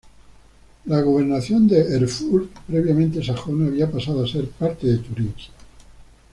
La gobernación de Erfurt previamente sajona había pasado a ser parte de Turingia.